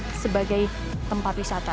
masyarakat sebagai tempat wisata